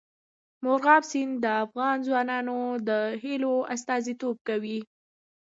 مورغاب سیند د افغان ځوانانو د هیلو استازیتوب کوي.